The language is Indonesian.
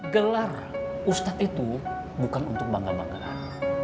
gelar ustadz itu bukan untuk bangga banggaan